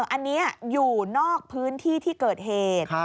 อันนี้อยู่นอกพื้นที่ที่เกิดเหตุ